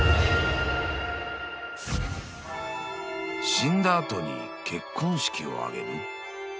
［死んだ後に結婚式を挙げる？］